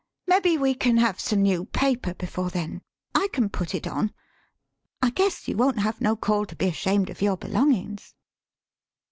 " Mebbe we can have some new paper before then; I can put it on. I guess you won't have no call to be ashamed of your belongin's."